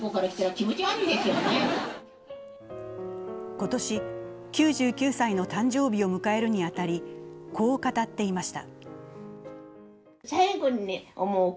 今年、９９歳の誕生日を迎えるに当たり、こう語っていました。